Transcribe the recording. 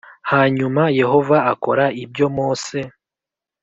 Hanyuma Yehova akora ibyo Mose